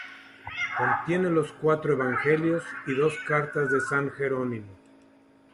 Contiene los cuatro evangelios y dos cartas de San Jerónimo.